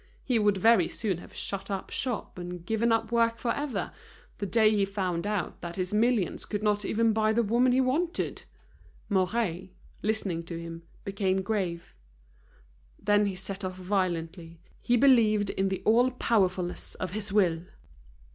He would very soon have shut up shop and given up work forever, the day he found out that his millions could not even buy the woman he wanted! Mouret, listening to him, became grave. Then he set off violently, he believed in the all powerfulness of his will.